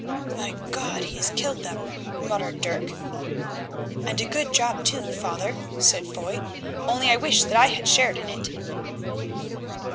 "My God! he has killed them," muttered Dirk. "And a good job, too, father," said Foy, "only I wish that I had shared in it."